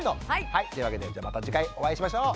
はいというわけでまた次回お会いしましょう。